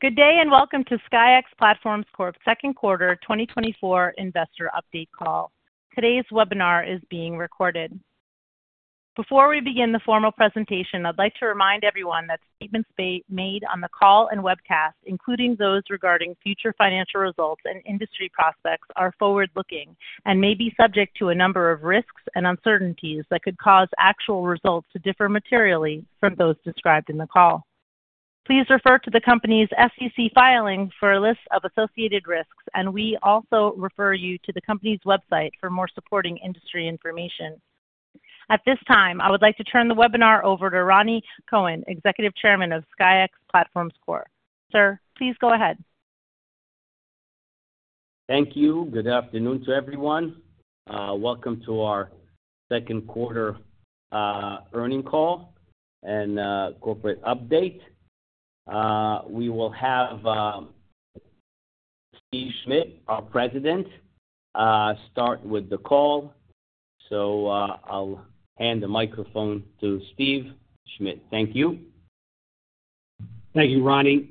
Good day, and welcome to SKYX Platforms Corp's second quarter 2024 investor update call. Today's webinar is being recorded. Before we begin the formal presentation, I'd like to remind everyone that statements made on the call and webcast, including those regarding future financial results and industry prospects, are forward-looking and may be subject to a number of risks and uncertainties that could cause actual results to differ materially from those described in the call. Please refer to the company's SEC filing for a list of associated risks, and we also refer you to the company's website for more supporting industry information. At this time, I would like to turn the webinar over to Rani Kohen, Executive Chairman of SKYX Platforms Corp. Sir, please go ahead. Thank you. Good afternoon to everyone. Welcome to our second quarter earnings call and corporate update. We will have Steve Schmidt, our President, start with the call. So, I'll hand the microphone to Steve Schmidt. Thank you. Thank you, Rani.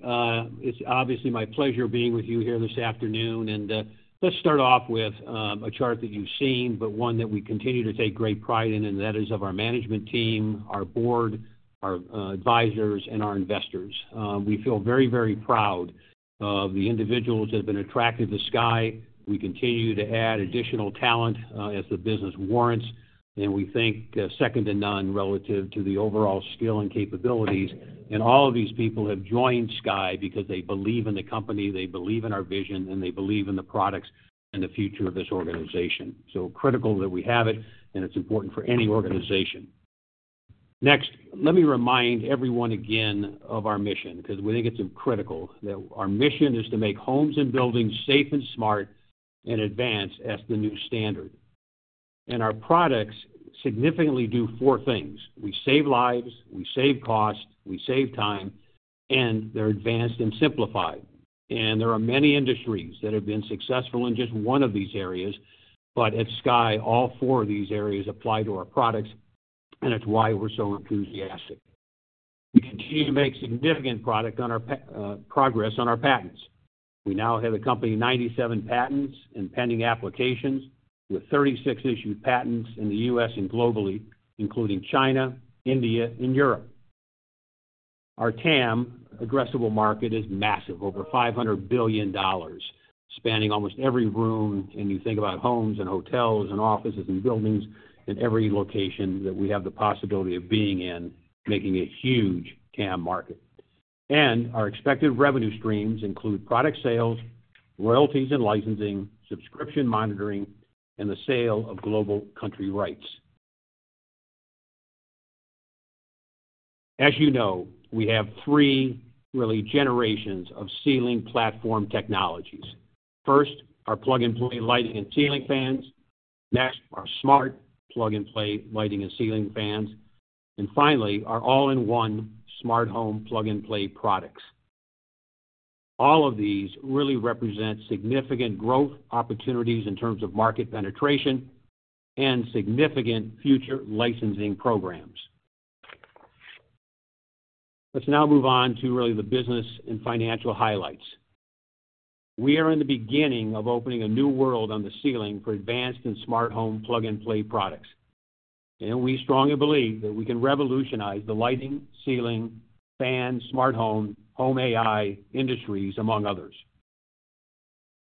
It's obviously my pleasure being with you here this afternoon, and let's start off with a chart that you've seen, but one that we continue to take great pride in, and that is of our management team, our board, our advisors, and our investors. We feel very, very proud of the individuals that have been attracted to Sky. We continue to add additional talent as the business warrants, and we think second to none relative to the overall skill and capabilities. And all of these people have joined Sky because they believe in the company, they believe in our vision, and they believe in the products and the future of this organization. So critical that we have it, and it's important for any organization. Next, let me remind everyone again of our mission, 'cause we think it's critical, that our mission is to make homes and buildings safe and smart and advance as the new standard. Our products significantly do four things: We save lives, we save cost, we save time, and they're advanced and simplified. There are many industries that have been successful in just one of these areas, but at Sky, all four of these areas apply to our products, and it's why we're so enthusiastic. We continue to make significant progress on our patents. We now have a company of 97 patents and pending applications, with 36 issued patents in the US and globally, including China, India, and Europe. Our TAM addressable market is massive, over $500 billion, spanning almost every room, and you think about homes and hotels and offices and buildings in every location, that we have the possibility of being in, making a huge TAM market. Our expected revenue streams include product sales, royalties and licensing, subscription monitoring, and the sale of global country rights. As you know, we have three really generations of ceiling platform technologies. First, our plug-and-play lighting and ceiling fans. Next, our smart plug-and-play lighting and ceiling fans. And finally, our all-in-one smart home plug-and-play products. All of these really represent significant growth opportunities in terms of market penetration and significant future licensing programs. Let's now move on to really the business and financial highlights. We are in the beginning of opening a new world on the ceiling for advanced and smart home plug-and-play products, and we strongly believe that we can revolutionize the lighting, ceiling, fan, smart home, home AI industries, among others.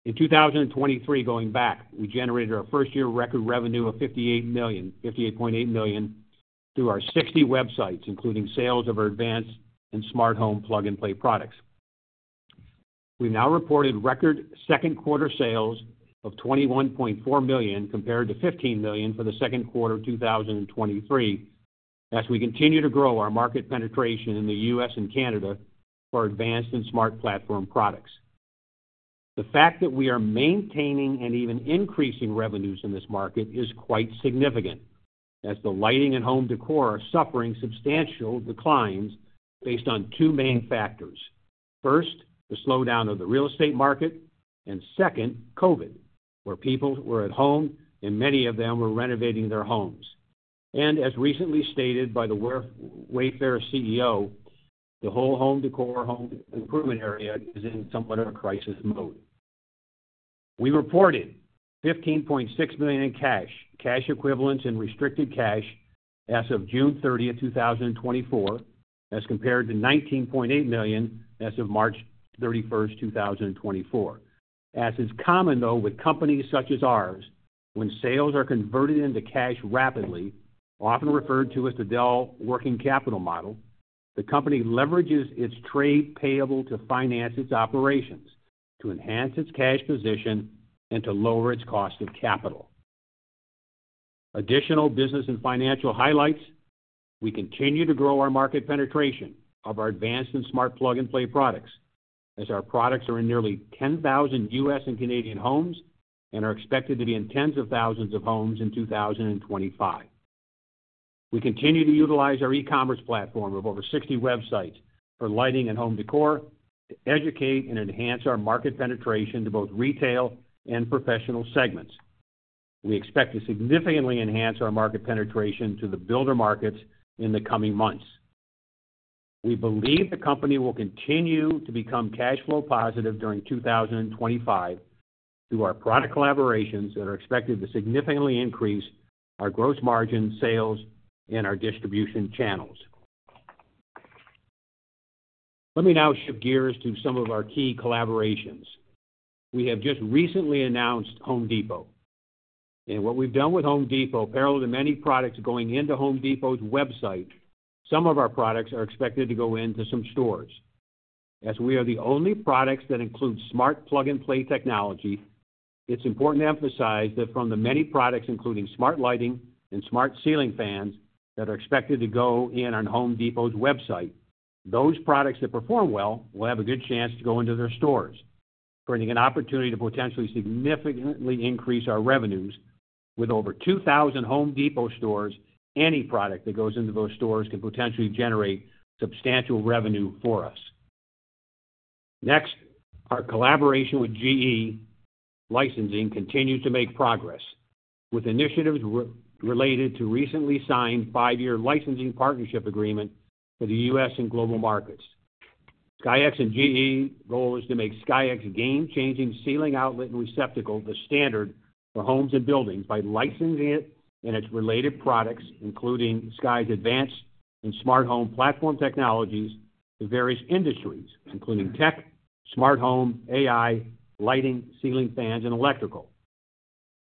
In 2023, going back, we generated our first-year record revenue of $58 million, $58.8 million, through our 60 websites, including sales of our advanced and smart home plug-and-play products. We now reported record second quarter sales of $21.4 million, compared to $15 million for the second quarter of 2023, as we continue to grow our market penetration in the U.S. and Canada for advanced and smart platform products. The fact that we are maintaining and even increasing revenues in this market is quite significant, as the lighting and home decor are suffering substantial declines based on two main factors. First, the slowdown of the real estate market, and second, COVID, where people were at home and many of them were renovating their homes. As recently stated by the Wayfair CEO, "The whole home decor, home improvement area is in somewhat of a crisis mode." We reported $15.6 million in cash, cash equivalents, and restricted cash as of June thirtieth, 2024, as compared to $19.8 million as of March thirty-first, 2024. As is common, though, with companies such as ours, when sales are converted into cash rapidly, often referred to as the Dell Working Capital Model, the company leverages its trade payable to finance its operations, to enhance its cash position and to lower its cost of capital. Additional business and financial highlights. We continue to grow our market penetration of our advanced and smart plug-and-play products, as our products are in nearly 10,000 U.S. and Canadian homes and are expected to be in tens of thousands of homes in 2025. We continue to utilize our e-commerce platform of over 60 websites for lighting and home decor to educate and enhance our market penetration to both retail and professional segments. We expect to significantly enhance our market penetration to the builder markets in the coming months. We believe the company will continue to become cash flow positive during 2025 through our product collaborations that are expected to significantly increase our gross margin sales and our distribution channels. Let me now shift gears to some of our key collaborations. We have just recently announced Home Depot, and what we've done with Home Depot, parallel to many products going into Home Depot's website, some of our products are expected to go into some stores. As we are the only products that include smart plug-and-play technology, it's important to emphasize that from the many products, including smart lighting and smart ceiling fans, that are expected to go in on Home Depot's website, those products that perform well will have a good chance to go into their stores, bringing an opportunity to potentially significantly increase our revenues. With over 2,000 Home Depot stores, any product that goes into those stores could potentially generate substantial revenue for us. Next, our collaboration with GE Licensing continues to make progress, with initiatives related to recently signed 5-year licensing partnership agreement for the U.S. and global markets. SKYX and GE's goal is to make SKYX a game-changing ceiling outlet and receptacle, the standard for homes and buildings by licensing it and its related products, including Sky's advanced and smart home platform technologies, to various industries, including tech, smart home, AI, lighting, ceiling fans, and electrical.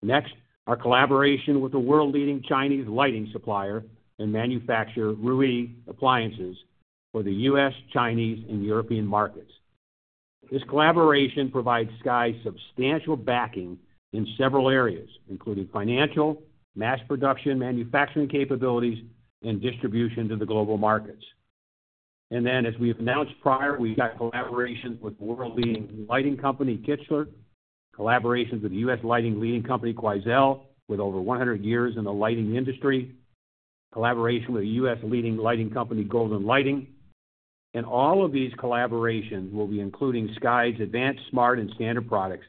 Next, our collaboration with the world-leading Chinese lighting supplier and manufacturer, Rueigh Appliances, for the U.S., Chinese, and European markets. This collaboration provides Sky substantial backing in several areas, including financial, mass production, manufacturing capabilities, and distribution to the global markets. Then, as we've announced prior, we've got collaborations with world-leading lighting company, Kichler, collaborations with U.S. lighting leading company, Quoizel, with over 100 years in the lighting industry, collaboration with a U.S. leading lighting company, Golden Lighting. All of these collaborations will be including Sky's advanced, smart, and standard products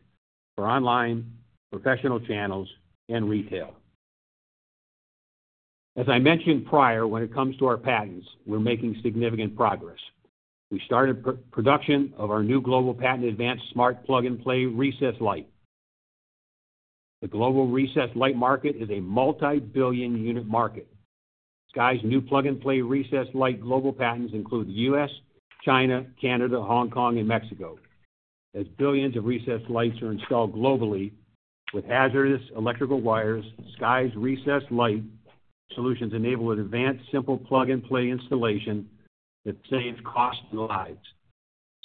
for online, professional channels, and retail. As I mentioned prior, when it comes to our patents, we're making significant progress. We started pre-production of our new global patent advanced smart plug-and-play recessed light. The global recessed light market is a multi-billion unit market. Sky's new plug-and-play recessed light global patents include the U.S., China, Canada, Hong Kong, and Mexico. As billions of recessed lights are installed globally with hazardous electrical wires, Sky's recessed light solutions enable an advanced, simple plug-and-play installation that saves cost and lives.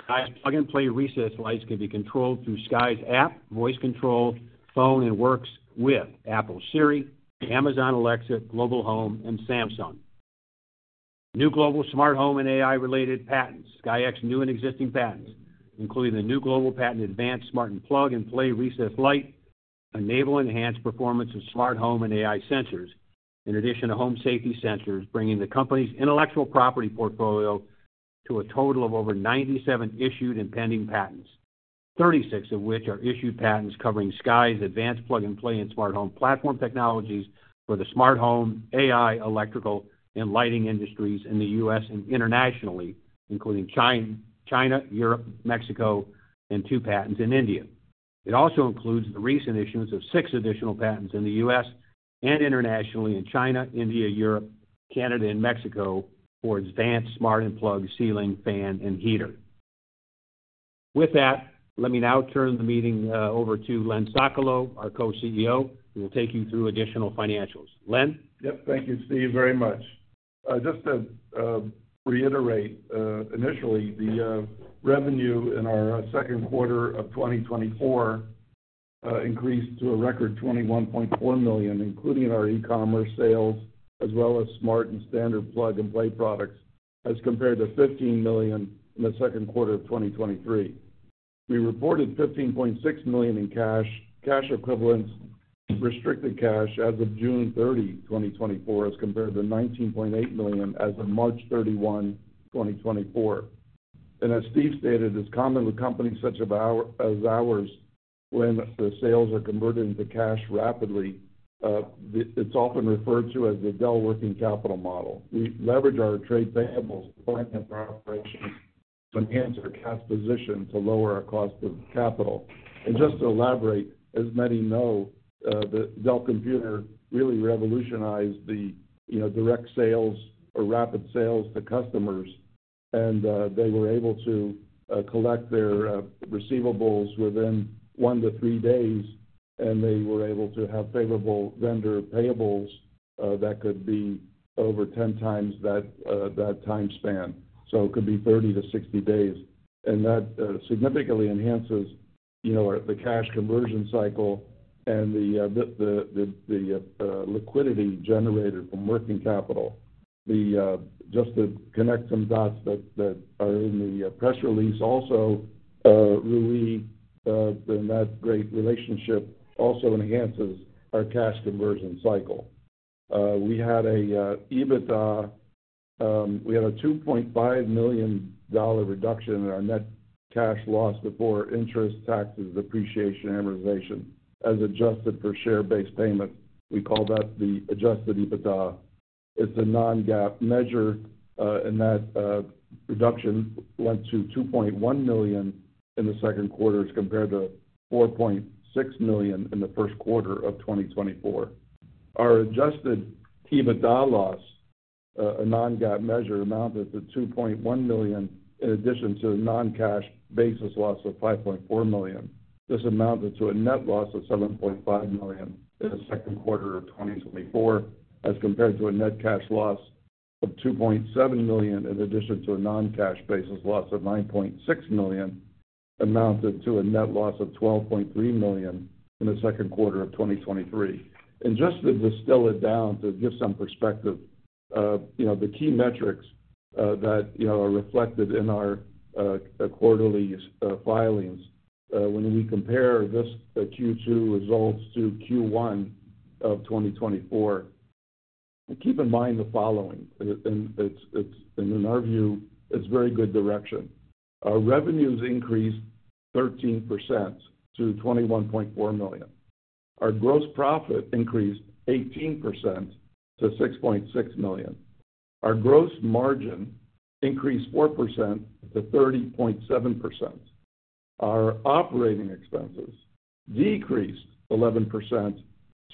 Sky's plug-and-play recessed lights can be controlled through Sky's app, voice control, phone, and works with Apple, Siri, Amazon, Alexa, Google Home, and Samsung. New global smart home and AI-related patents. SKYX new and existing patents, including the new global patent advanced smart and plug-and-play recessed light, enable enhanced performance of smart home and AI sensors, in addition to home safety sensors, bringing the company's intellectual property portfolio to a total of over 97 issued and pending patents, 36 of which are issued patents covering Sky's advanced plug-and-play and smart home platform technologies for the smart home, AI, electrical, and lighting industries in the U.S. and internationally, including China, Europe, Mexico, and 2 patents in India. It also includes the recent issuance of 6 additional patents in the U.S. and internationally in China, India, Europe, Canada, and Mexico for advanced, smart, and plug ceiling fan and heater. With that, let me now turn the meeting over to Lenny Sokolow, our Co-CEO, who will take you through additional financials. Len? Yep, thank you, Steve, very much. Just to reiterate, initially, the revenue in our second quarter of 2024 increased to a record $21.4 million, including our e-commerce sales, as well as smart and standard plug-and-play products, as compared to $15 million in the second quarter of 2023. We reported $15.6 million in cash, cash equivalents, restricted cash as of June 30, 2024, as compared to $19.8 million as of March 31, 2024. And as Steve stated, it's common with companies such of our-- as ours, when the sales are converted into cash rapidly, it's often referred to as the Dell working capital model. We leverage our trade payables to finance our operations to enhance our cash position to lower our cost of capital. And just to elaborate, as many know, that Dell Computer really revolutionized the, you know, direct sales or rapid sales to customers, and they were able to collect their receivables within 1-3 days, and they were able to have favorable vendor payables that could be over 10 times that time span. So it could be 30-60 days, and that significantly enhances the cash conversion cycle and the liquidity generated from working capital. Just to connect some dots that are in the press release also, Rueigh, in that great relationship, also enhances our cash conversion cycle. We had a $2.5 million reduction in our net cash loss before interest, taxes, depreciation, amortization, as adjusted for share-based payment. We call that the Adjusted EBITDA. It's a non-GAAP measure, and that reduction went to $2.1 million in the second quarter as compared to $4.6 million in the first quarter of 2024. Our Adjusted EBITDA loss, a non-GAAP measure, amounted to $2.1 million, in addition to a non-cash basis loss of $5.4 million. This amounted to a net loss of $7.5 million in the second quarter of 2024, as compared to a net cash loss of $2.7 million, in addition to a non-cash basis loss of $9.6 million, amounted to a net loss of $12.3 million in the second quarter of 2023. And just to distill it down, to give some perspective, you know, the key metrics that, you know, are reflected in our quarterly filings when we compare the Q2 results to Q1 of 2024, keep in mind the following, and in our view, it's very good direction. Our revenues increased 13% to $21.4 million. Our gross profit increased 18% to $6.6 million. Our gross margin increased 4% to 30.7%. Our operating expenses decreased 11%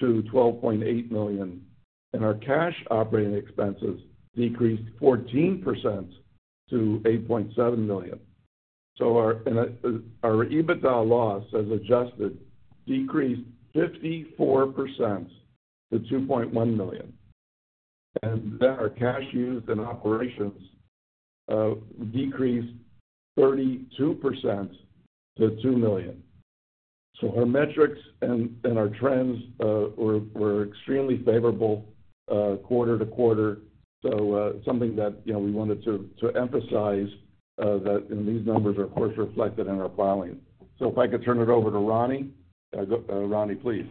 to $12.8 million, and our cash operating expenses decreased 14% to $8.7 million. So our adjusted EBITDA loss decreased 54% to $2.1 million, and then our cash used in operations decreased 32% to $2 million. So our metrics and our trends were extremely favorable quarter to quarter. So something that, you know, we wanted to emphasize that, and these numbers are, of course, reflected in our filings. So if I could turn it over to Rani. Rani, please.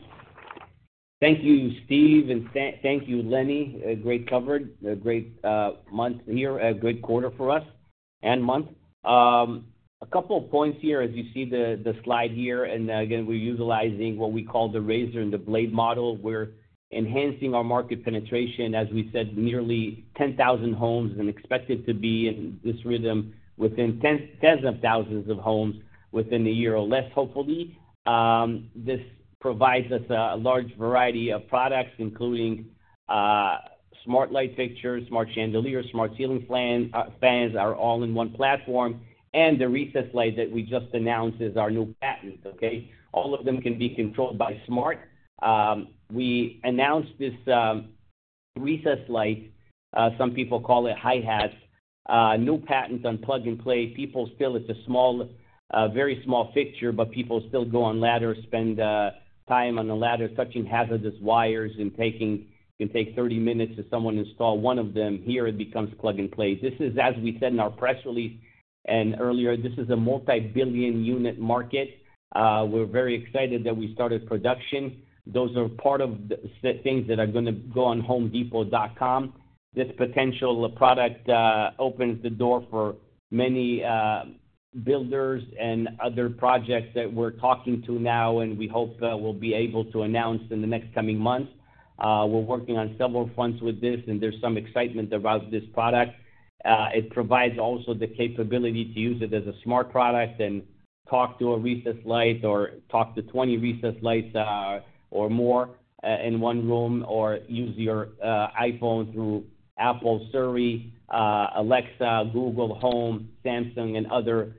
Thank you, Steve, and thank you, Lenny. A great quarter, a great month here, a good quarter for us and month. A couple of points here, as you see the slide here, and again, we're utilizing what we call the razor and the blade model. We're enhancing our market penetration, as we said, nearly 10,000 homes and expected to be in this rhythm within tens of thousands of homes within a year or less, hopefully. This provides us a large variety of products, including smart light fixtures, smart chandeliers, smart ceiling fans, our all-in-one platform, and the recessed light that we just announced is our new patent, okay? All of them can be controlled by smart. We announced this recessed light, some people call it high hats, new patent on plug-and-play. People still... It's a small, very small fixture, but people still go on ladders, spend, time on a ladder, touching hazardous wires and it can take 30 minutes for someone to install one of them. Here, it becomes plug-and-play. This is, as we said in our press release and earlier, this is a multi-billion unit market. We're very excited that we started production. Those are part of the things that are gonna go on homedepot.com. This potential product, opens the door for many, builders and other projects that we're talking to now, and we hope, we'll be able to announce in the next coming months. We're working on several fronts with this, and there's some excitement about this product. It provides also the capability to use it as a smart product and talk to a recessed light or talk to 20 recessed lights, or more, in one room, or use your iPhone through Apple, Siri, Alexa, Google Home, Samsung, and other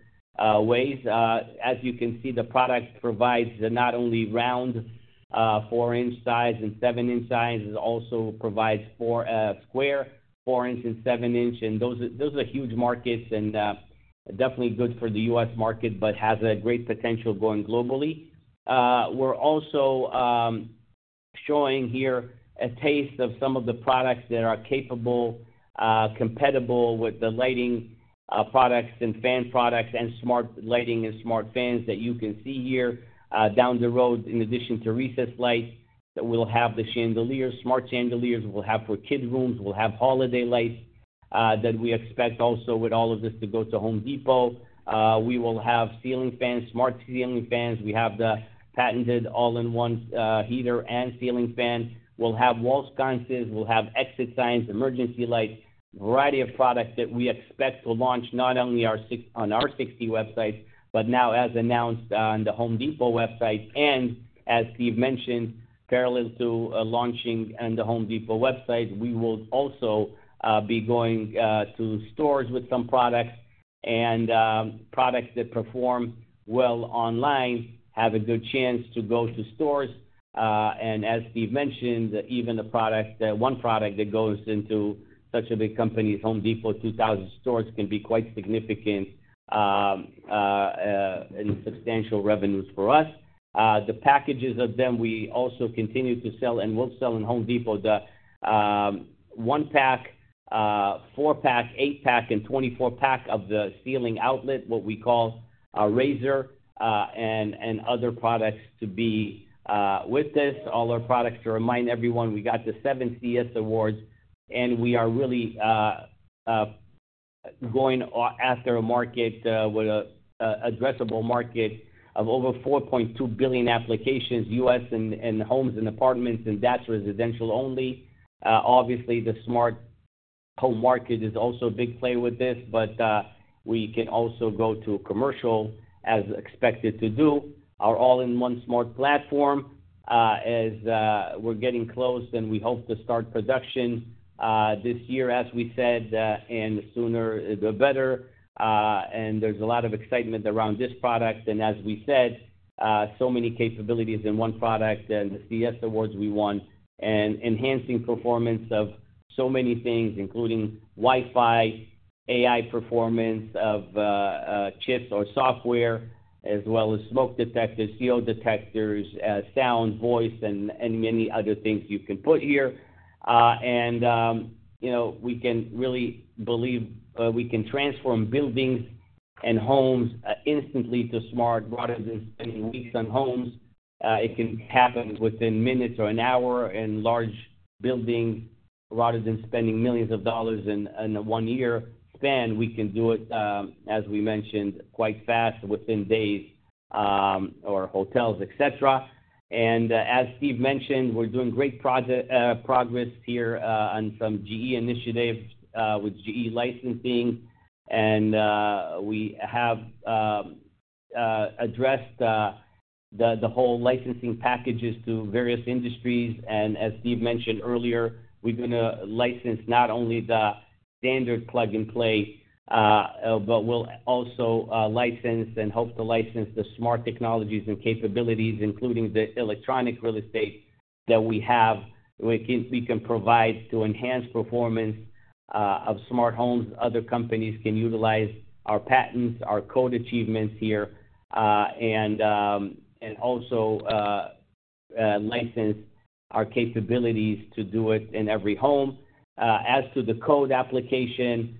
ways. As you can see, the product provides not only round 4-inch size and 7-inch size, it also provides 4 square 4-inch and 7-inch, and those are, those are huge markets and definitely good for the U.S. market, but has a great potential going globally. We're also showing here a taste of some of the products that are capable, compatible with the lighting products and fan products, and smart lighting and smart fans that you can see here. Down the road, in addition to recessed lights, we'll have the chandeliers, smart chandeliers, we'll have for kids' rooms, we'll have holiday lights, that we expect also with all of this to go to Home Depot. We will have ceiling fans, smart ceiling fans. We have the patented all-in-one heater and ceiling fan. We'll have wall sconces, we'll have exit signs, emergency lights, a variety of products that we expect to launch not only on our 60 websites, but now, as announced, on the Home Depot website. And as Steve mentioned, parallel to launching on the Home Depot website, we will also be going to stores with some products and products that perform well online, have a good chance to go to stores. And as Steve mentioned, even the product, one product that goes into such a big company as Home Depot, 2,000 stores, can be quite significant, in substantial revenues for us. The packages of them, we also continue to sell and will sell in Home Depot, the one-pack, four-pack, eight-pack, and 24-pack of the ceiling outlet, what we call our razor, and other products to be with this. All our products, to remind everyone, we got the seven CES awards, and we are really going after a market with a addressable market of over 4.2 billion applications, U.S. and homes and apartments, and that's residential only. Obviously, the smart home market is also a big play with this, but we can also go to commercial as expected to do. Our all-in-one smart platform, as we're getting close, and we hope to start production this year, as we said, and the sooner, the better. There's a lot of excitement around this product. As we said, so many capabilities in one product and the CES awards we won. Enhancing performance of so many things, including Wi-Fi, AI performance of chips or software, as well as smoke detectors, CO detectors, sound, voice, and many other things you can put here. You know, we can really believe we can transform buildings and homes instantly to smart. Rather than spending weeks on homes, it can happen within minutes or an hour in large buildings, rather than spending millions of dollars in a one-year span, we can do it, as we mentioned, quite fast, within days, or hotels, et cetera. And as Steve mentioned, we're doing great progress here on some GE initiatives with GE Licensing. And we have addressed the whole licensing packages to various industries, and as Steve mentioned earlier, we're gonna license not only the standard plug-and-play, but we'll also license and hope to license the smart technologies and capabilities, including the electronic real estate that we have, which we can provide to enhance performance of smart homes. Other companies can utilize our patents, our code achievements here, and license our capabilities to do it in every home. As to the code application,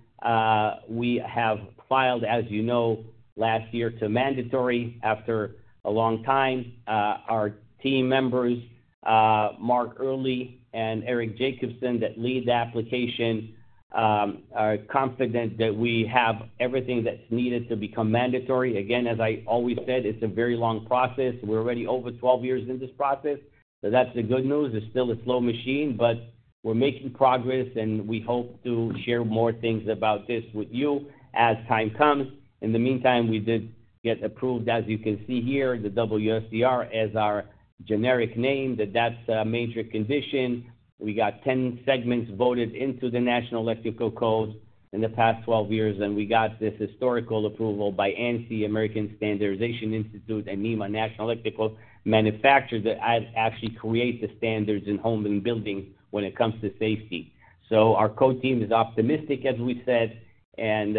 we have filed, as you know, last year, to mandatory after a long time. Our team members, Mark Earley and Eric Jacobson, that lead the application, are confident that we have everything that's needed to become mandatory. Again, as I always said, it's a very long process. We're already over 12 years in this process. So that's the good news. It's still a slow machine, but we're making progress, and we hope to share more things about this with you as time comes. In the meantime, we did get approved, as you can see here, the WSR as our generic name, that's a major condition. We got 10 segments voted into the National Electrical Code in the past 12 years, and we got this historical approval by ANSI, American National Standards Institute, and NEMA, National Electrical Manufacturers Association, that actually create the standards in home and building when it comes to safety. So our code team is optimistic, as we said, and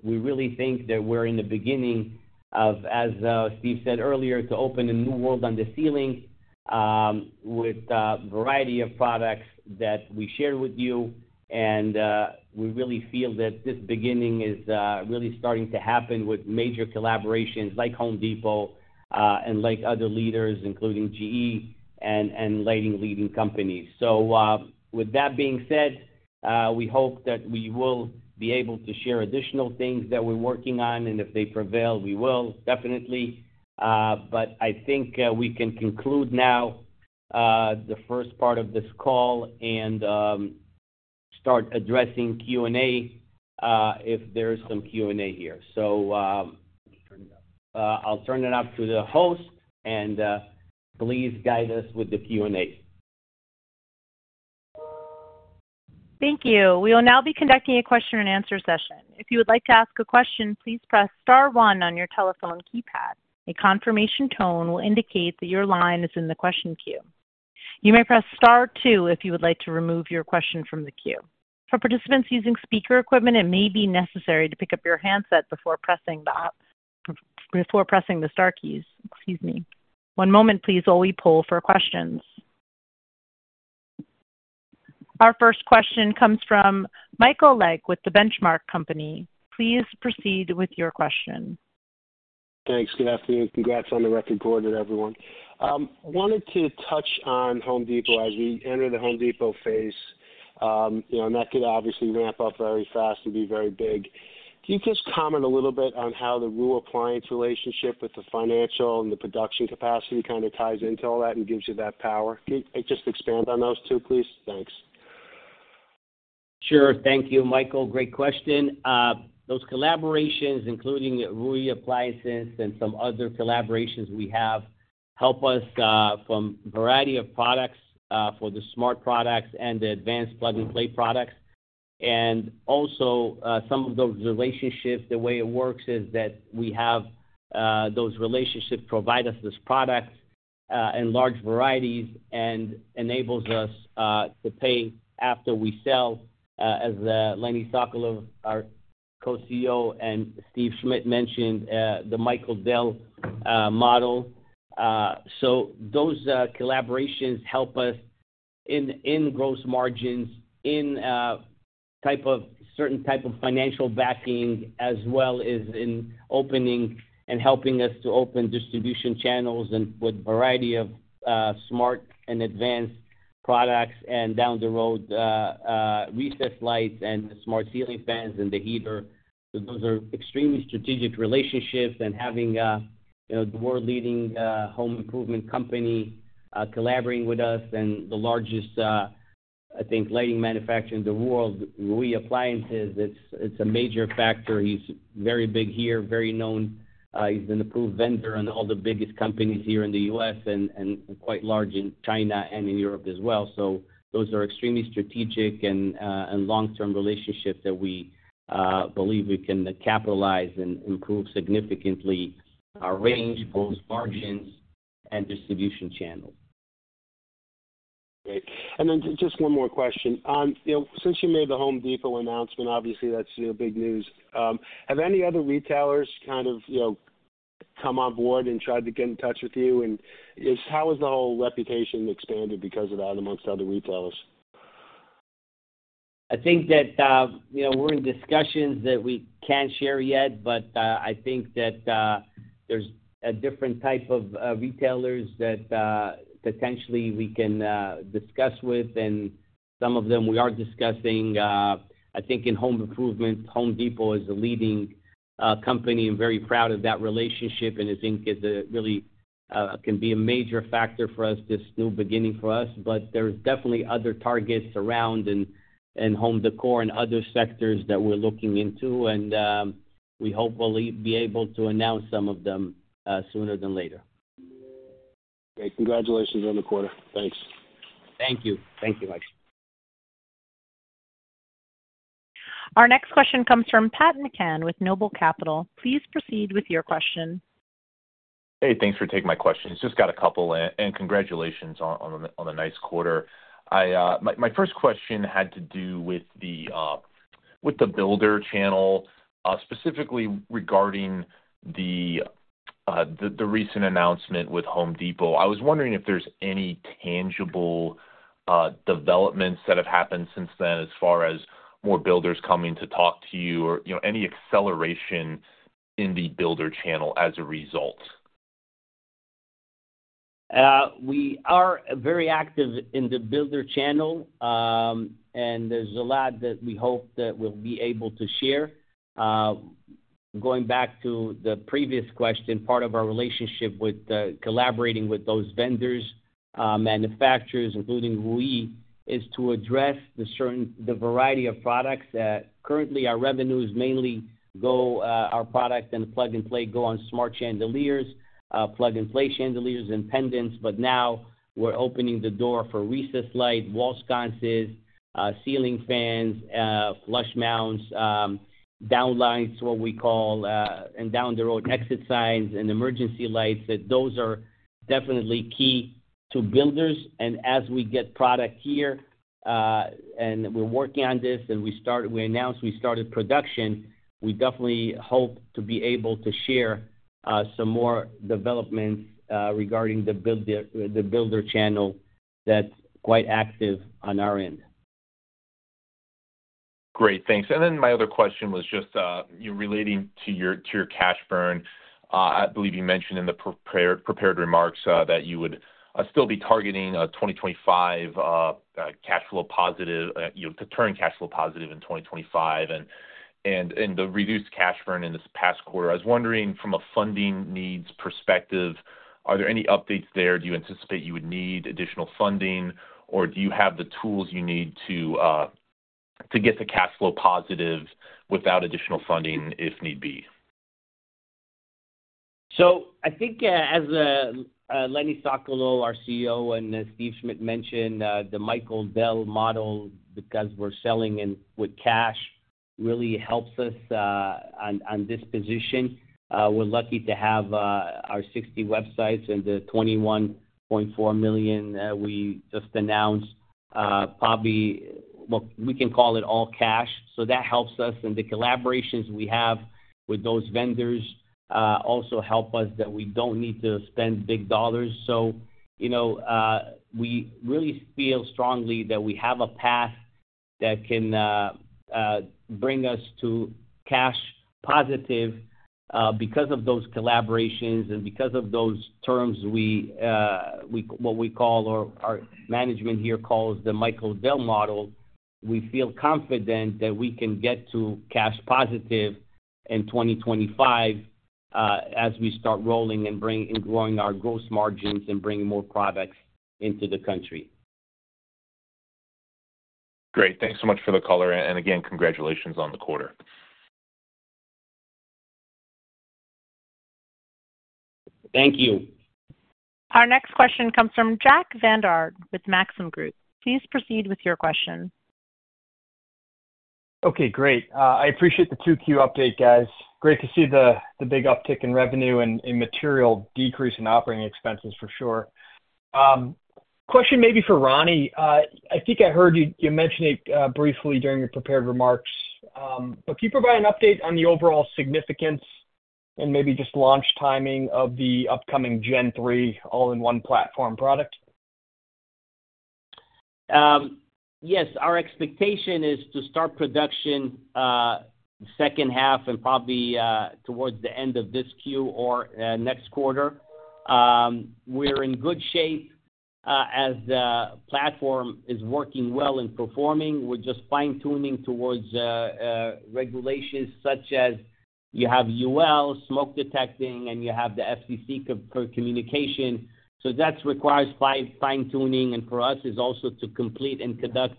we really think that we're in the beginning of, as Steve said earlier, to open a new world on the ceiling, with a variety of products that we shared with you. And we really feel that this beginning is really starting to happen with major collaborations like Home Depot, and like other leaders, including GE and lighting leading companies. So, with that being said, we hope that we will be able to share additional things that we're working on, and if they prevail, we will, definitely. But I think we can conclude now the first part of this call and start addressing Q&A, if there is some Q&A here. So, I'll turn it over to the host, and please guide us with the Q&A. Thank you. We will now be conducting a question-and-answer session. If you would like to ask a question, please press star one on your telephone keypad. A confirmation tone will indicate that your line is in the question queue. You may press star two if you would like to remove your question from the queue. For participants using speaker equipment, it may be necessary to pick up your handset before pressing the star keys, excuse me. One moment please while we poll for questions. Our first question comes from Michael Legg with The Benchmark Company. Please proceed with your question. Thanks. Good afternoon. Congrats on the record quarter, everyone. Wanted to touch on Home Depot as we enter the Home Depot phase. You know, and that could obviously ramp up very fast and be very big. Can you just comment a little bit on how the Rui Appliances relationship with the financials and the production capacity kind of ties into all that and gives you that power? Can you just expand on those two, please? Thanks. Sure. Thank you, Michael. Great question. Those collaborations, including Rui Appliances and some other collaborations we have, help us from a variety of products for the smart products and the advanced plug-and-play products. And also, some of those relationships, the way it works is that we have those relationships provide us this product in large varieties and enables us to pay after we sell, as Lenny Sokolow, our co-CEO, and Steve Schmidt mentioned, the Michael Dell model. So those collaborations help us in gross margins, in type of certain type of financial backing, as well as in opening and helping us to open distribution channels and with a variety of smart and advanced products, and down the road recessed lights and the smart ceiling fans and the heater. So those are extremely strategic relationships and, you know, the world-leading home improvement company collaborating with us and the largest, I think, lighting manufacturer in the world, Rui Appliances. It's a major factor. He's very big here, very known. He's an approved vendor on all the biggest companies here in the US and quite large in China and in Europe as well. So those are extremely strategic and long-term relationships that we believe we can capitalize and improve significantly our range, both margins and distribution channels. Great. And then just one more question. You know, since you made the Home Depot announcement, obviously that's, you know, big news. Have any other retailers kind of, you know, come on board and tried to get in touch with you? And how has the whole reputation expanded because of that among other retailers? I think that, you know, we're in discussions that we can't share yet, but, I think that, there's a different type of, retailers that, potentially we can, discuss with, and some of them we are discussing. I think in home improvement, Home Depot is a leading, company, and very proud of that relationship, and I think it, really, can be a major factor for us, this new beginning for us. But there's definitely other targets around and, and home decor and other sectors that we're looking into, and, we hope we'll be, be able to announce some of them, sooner than later. Great. Congratulations on the quarter. Thanks. Thank you. Thank you, Mike. Our next question comes from Pat McCann with Noble Capital Markets. Please proceed with your question. Hey, thanks for taking my questions. Just got a couple, and congratulations on the nice quarter. My first question had to do with the builder channel, specifically regarding the recent announcement with Home Depot. I was wondering if there's any tangible developments that have happened since then, as far as more builders coming to talk to you or, you know, any acceleration in the builder channel as a result? We are very active in the builder channel, and there's a lot that we hope that we'll be able to share. Going back to the previous question, part of our relationship with collaborating with those vendors, manufacturers, including Rui, is to address the variety of products that currently our revenues mainly go, our product and plug-and-play go on smart chandeliers, plug-and-play chandeliers and pendants. But now we're opening the door for recessed light, wall sconces, ceiling fans, flush mounts, downlights, what we call, and down the road, exit signs and emergency lights. That those are definitely key to builders. As we get product here and we're working on this, and we announced we started production, we definitely hope to be able to share some more developments regarding the builder channel that's quite active on our end. Great, thanks. Then my other question was just, you relating to your, to your cash burn. I believe you mentioned in the prepared remarks, that you would still be targeting a 2025 cash flow positive, you know, to turn cash flow positive in 2025, and the reduced cash burn in this past quarter. I was wondering from a funding needs perspective, are there any updates there? Do you anticipate you would need additional funding, or do you have the tools you need to get the cash flow positive without additional funding, if need be? So I think, as Lenny Sokolow, our CEO, and Steve Schmidt mentioned, the Michael Dell model, because we're selling in with cash, really helps us on this position. We're lucky to have our 60 websites and the $21.4 million that we just announced, probably. Well, we can call it all cash. So that helps us, and the collaborations we have with those vendors also help us, that we don't need to spend big dollars. So you know, we really feel strongly that we have a path that can bring us to cash positive, because of those collaborations and because of those terms, we, what we call or our management here calls the Michael Dell model. We feel confident that we can get to cash positive in 2025, as we start rolling and growing our gross margins and bringing more products into the country. Great. Thanks so much for the color, and again, congratulations on the quarter. Thank you. Our next question comes from Jack Vander Aarde with Maxim Group. Please proceed with your question. Okay, great. I appreciate the two-Q update, guys. Great to see the big uptick in revenue and a material decrease in operating expenses for sure. Question maybe for Ronnie. I think I heard you mention it briefly during your prepared remarks. But can you provide an update on the overall significance and maybe just launch timing of the upcoming Gen Three all-in-one platform product? Yes, our expectation is to start production, second half and probably, towards the end of this Q or, next quarter. We're in good shape, as the platform is working well and performing, we're just fine-tuning towards, regulations such as you have UL, smoke detecting, and you have the FCC co-communication. So that's requires fine-tuning, and for us, is also to complete and conduct,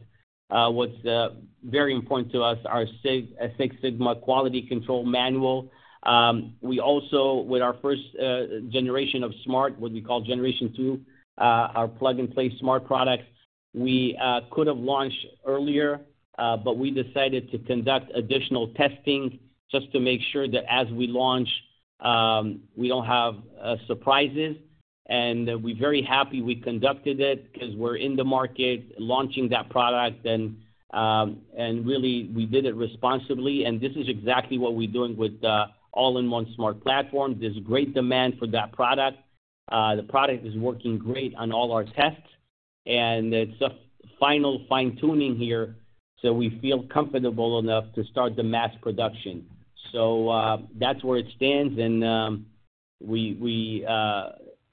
what's very important to us, our Six Sigma quality control manual. We also, with our first, generation of smart, what we call Generation Two, our plug-and-play smart products, we, could have launched earlier, but we decided to conduct additional testing just to make sure that as we launch, we don't have, surprises. And, we're very happy we conducted it 'cause we're in the market, launching that product, and, and really, we did it responsibly. This is exactly what we're doing with the All-In-One Smart Platform. There's great demand for that product. The product is working great on all our tests, and it's just final fine-tuning here, so we feel comfortable enough to start the mass production. That's where it stands, and,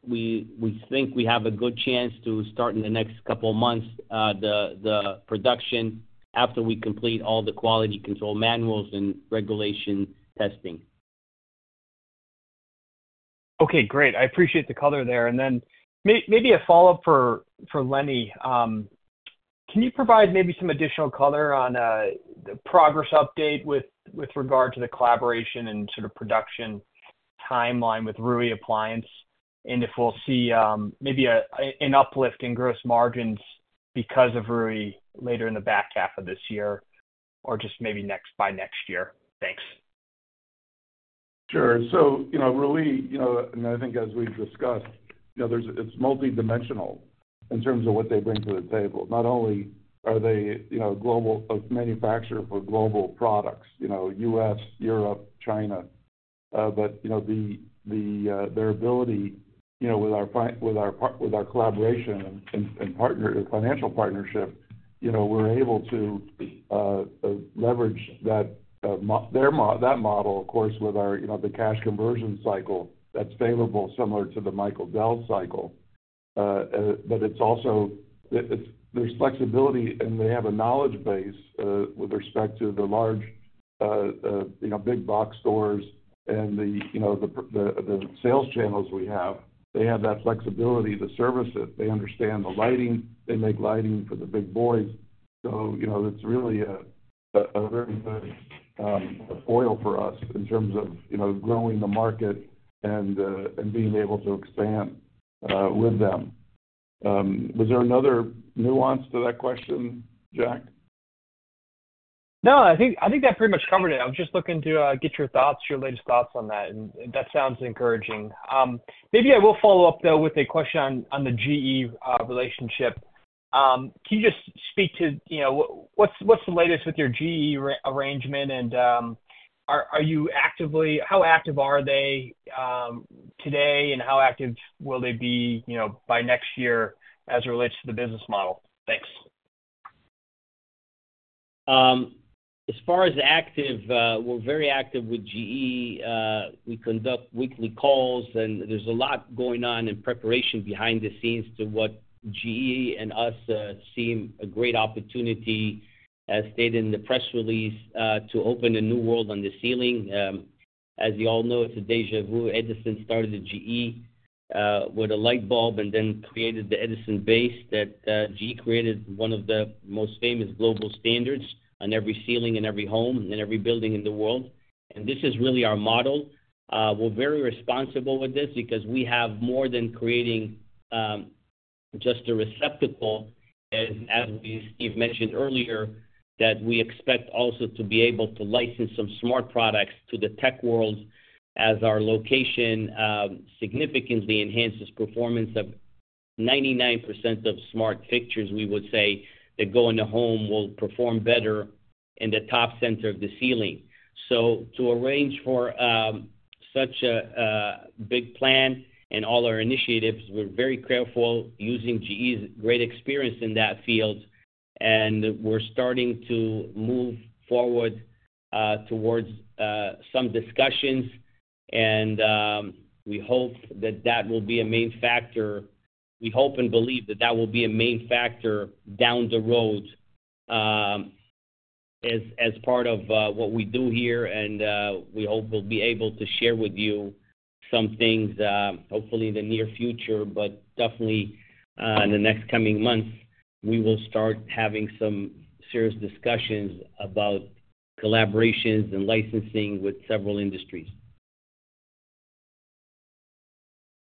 we think we have a good chance to start in the next couple of months, the production, after we complete all the quality control manuals and regulation testing. Okay, great. I appreciate the color there. Then maybe a follow-up for Lenny. Can you provide maybe some additional color on the progress update with regard to the collaboration and sort of production timeline with Rui Appliances? And if we'll see maybe an uplift in gross margins because of Rui later in the back half of this year, or just maybe by next year? Thanks. Sure. So, you know, Rui, you know, and I think as we've discussed, you know, there's it's multidimensional in terms of what they bring to the table. Not only are they, you know, global, a manufacturer for global products, you know, U.S., Europe, China, but, you know, the, the, their ability, you know, with our collaboration and financial partnership, you know, we're able to leverage that model, of course, with our, you know, the cash conversion cycle that's favorable, similar to the Michael Dell cycle. But it's also. There's flexibility, and they have a knowledge base with respect to the large, you know, big box stores and the, you know, the sales channels we have. They have that flexibility to service it. They understand the lighting. They make lighting for the big boys. So, you know, it's really a very good foil for us in terms of, you know, growing the market and being able to expand with them. Was there another nuance to that question, Jack? No, I think, I think that pretty much covered it. I was just looking to get your thoughts, your latest thoughts on that, and that sounds encouraging. Maybe I will follow up, though, with a question on the GE relationship. Can you just speak to, you know, what, what's the latest with your GE arrangement, and are, are you actively-- how active are they today, and how active will they be, you know, by next year as it relates to the business model? Thanks. As far as active, we're very active with GE. We conduct weekly calls, and there's a lot going on in preparation behind the scenes to what GE and us see a great opportunity, as stated in the press release, to open a new world on the ceiling. As you all know, it's a déjà vu. Edison started at GE, with a light bulb and then created the Edison base, that GE created one of the most famous global standards on every ceiling in every home and in every building in the world, and this is really our model. We're very responsible with this because we have more than creating just a receptacle, and as we've mentioned earlier, that we expect also to be able to license some smart products to the tech world as our location significantly enhances performance of 99% of smart fixtures, we would say, that go in a home will perform better in the top center of the ceiling. So to arrange for such a big plan and all our initiatives, we're very careful using GE's great experience in that field, and we're starting to move forward towards some discussions. We hope that that will be a main factor. We hope and believe that that will be a main factor down the road, as part of what we do here, and we hope we'll be able to share with you some things, hopefully in the near future, but definitely in the next coming months, we will start having some serious discussions about collaborations and licensing with several industries.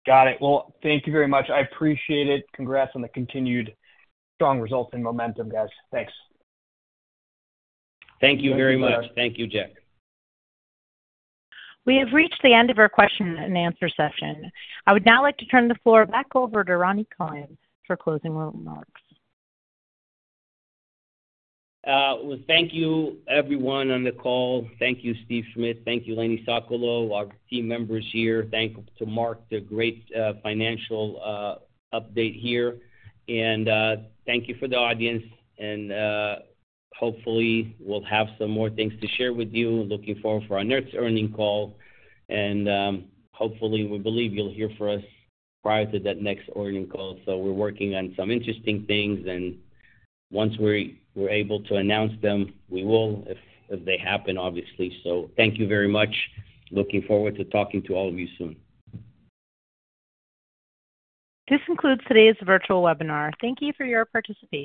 Got it. Well, thank you very much. I appreciate it. Congrats on the continued strong results and momentum, guys. Thanks. Thank you very much. Thank you, Jack. We have reached the end of our question and answer session. I would now like to turn the floor back over to Rani Kohen for closing remarks. Well, thank you everyone on the call. Thank you, Steve Schmidt, thank you, Lenny Sokolow, our team members here. Thanks to Mark, the great financial update here. And thank you for the audience, and hopefully, we'll have some more things to share with you. Looking forward to our next earnings call, and hopefully, we believe you'll hear from us prior to that next earnings call. So we're working on some interesting things, and once we're able to announce them, we will, if they happen, obviously. So thank you very much. Looking forward to talking to all of you soon. This concludes today's virtual webinar. Thank you for your participation.